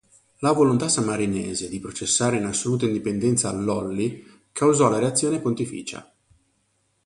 La volontà sammarinese di processare in assoluta indipendenza Lolli causò la reazione pontificia.